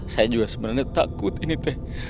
saya juga sebenarnya takut ini teh